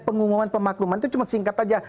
pengumuman pemakluman itu cuma singkat saja